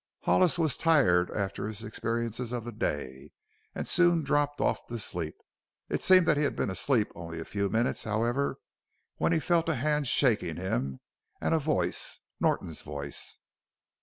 Hollis was tired after his experiences of the day and soon dropped off to sleep. It seemed that he had been asleep only a few minutes, however, when he felt a hand shaking him, and a voice Norton's voice.